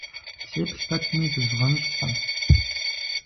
Сеплъ пэтми, зызгъэнщӏкъым.